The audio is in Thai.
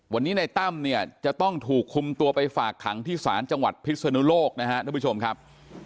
วันนี้ในตั้มเนี่ยจะต้องถูกคุมตัวไปฝากขังที่ศาลจังหวัดพิศนุโลกนะครับท่านผู้ชมครับ